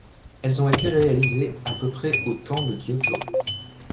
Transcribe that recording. Elles ont été réalisées à peu près au temps de Giotto.